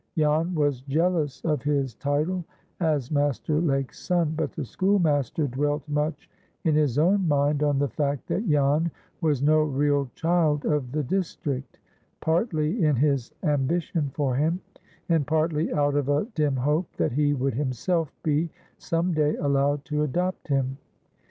Jan was jealous of his title as Master Lake's son, but the schoolmaster dwelt much in his own mind on the fact that Jan was no real child of the district; partly in his ambition for him, and partly out of a dim hope that he would himself be some day allowed to adopt him.